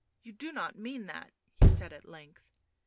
" You do not mean that," he said at length.